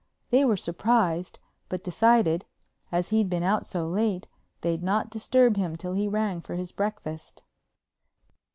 They were surprised, but decided, as he'd been out so late, they'd not disturb him till he rang for his breakfast.